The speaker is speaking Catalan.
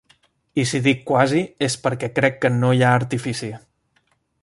I si dic quasi, és perquè crec que no hi ha artifici.